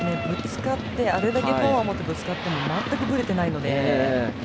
あれだけパワーをもってぶつかってもまったくブレてないので。